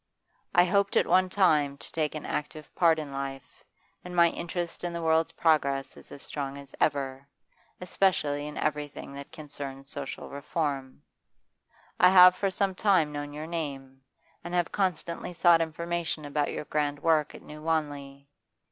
I hoped at one time to take an active part in life, and my interest in the world's progress is as strong as ever, especially in everything that concerns social reform. I have for some time known your name, and have constantly sought information about your grand work at New Wanley.